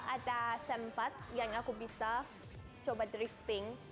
ada sempat yang aku bisa coba drifting